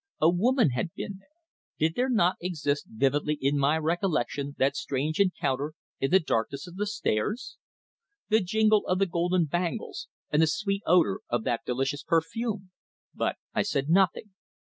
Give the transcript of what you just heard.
A woman had been there! Did there not exist vividly in my recollection that strange encounter in the darkness of the stairs? The jingle of the golden bangles, and the sweet odour of that delicious perfume? But I said nothing.